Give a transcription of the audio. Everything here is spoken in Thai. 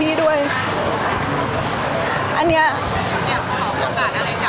พี่ตอบได้แค่นี้จริงค่ะ